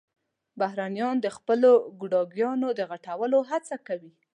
بهرنيانو د خپلو ګوډاګيانو د غټولو هڅه کوله.